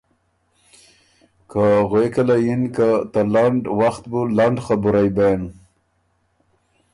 که غوېکه له یِن که ”ته لنډ وخت بُو لنډ خبُرئ بېن“